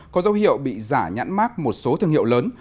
có dấu hiệu bị giả nhãn mát một số thương hiệu lớn